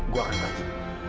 gue akan pergi